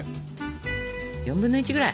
４分の１ぐらい。